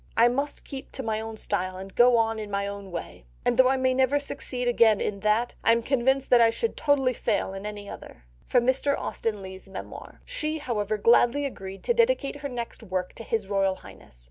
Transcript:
I must keep to my own style and go on in my own way; and though I may never succeed again in that, I am convinced that I should totally fail in any other." (Mr. Austen Leigh's Memoir.) She, however, gladly agreed to dedicate her next work to His Royal Highness.